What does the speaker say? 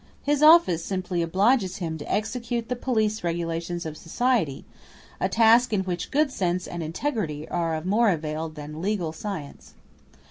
His office simply obliges him to execute the police regulations of society; a task in which good sense and integrity are of more avail than legal science.